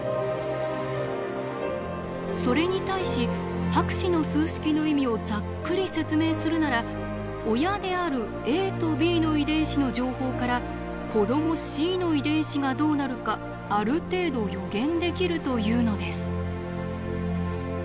それに対し博士の数式の意味をざっくり説明するなら親であるａとｂの遺伝子の情報から子どもｃの遺伝子がどうなるかある程度予言できるというのです。